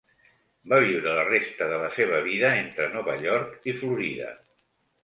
Va viure la resta de la seva vida entre Nova York i Florida.